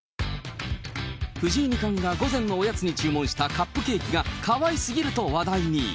藤井二冠が午前のおやつに注文したカップケーキがかわいすぎると話題に。